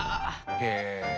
へえ！